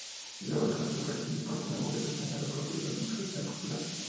Luego de la desaparición del Partido Demócrata se unió al partido Democracia Popular.